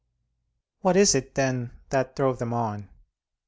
What is it, then, that drove them on?